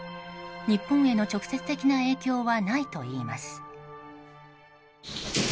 日本への直接的な影響はないといいます。